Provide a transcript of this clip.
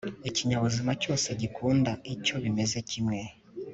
ikinyabuzima cyose gikunda icyo bimeze kimwe